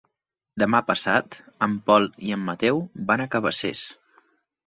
Demà passat en Pol i en Mateu van a Cabacés.